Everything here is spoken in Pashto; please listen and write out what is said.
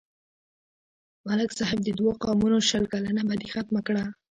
ملک صاحب د دوو قومونو شل کلنه بدي ختمه کړه.